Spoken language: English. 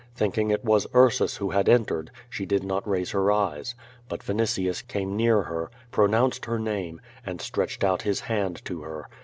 Think ing it was Ursus who had entered, she did not raise her eyes. But Vinitius came near her, pronounced her name, and stretched out his hand to her.